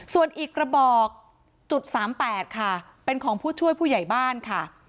ส่วนอีกระบอกจุด๓๘ค่ะเป็นของผู้ช่วยผู้ใหญ่บ้านค่ะ